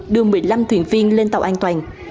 đưa một mươi năm thuyền viên lên tàu an toàn